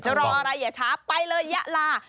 รออะไรอย่าช้าไปเลยยะลา